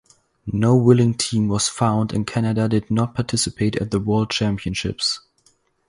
No willing team was found and Canada did not participate at the World Championships.